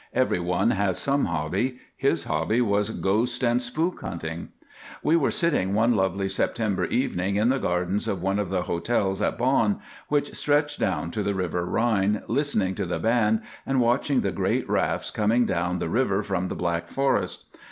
Everyone has some hobby; his hobby was ghost and spook hunting. We were sitting one lovely September evening in the gardens of one of the hotels at Bonn, which stretched down to the river Rhine, listening to the band and watching the great rafts coming down the river from the Black Forest.